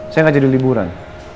saya gak jadi liburan